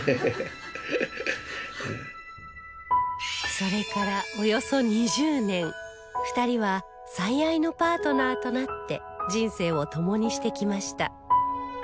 それからおよそ２０年２人は最愛のパートナーとなって人生を共にしてきました